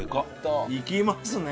いきますね！